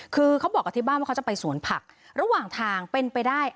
คือเขาบอกกับที่บ้านว่าเขาจะไปสวนผักระหว่างทางเป็นไปได้